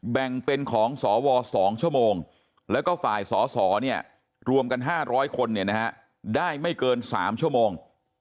แบ่งเป็นของสว๒ชั่วโมงแล้วก็ฝ่ายสอสอรวมกัน๕๐๐คนได้ไม่เกิน๓ชั่วโมง